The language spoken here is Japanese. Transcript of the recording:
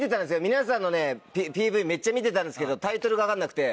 皆さんのＰＶめっちゃ見てたんですけどタイトルが分かんなくて。